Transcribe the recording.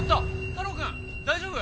太郎くん大丈夫？